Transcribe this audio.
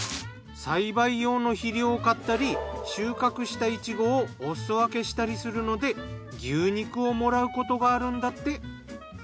栽培用の肥料を買ったり収穫したイチゴをおすそ分けしたりするので牛肉をもらうことがあるんだって。